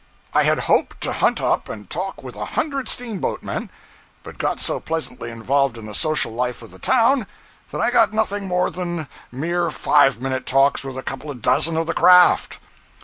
I had hoped to hunt up and talk with a hundred steamboatmen, but got so pleasantly involved in the social life of the town that I got nothing more than mere five minute talks with a couple of dozen of the craft.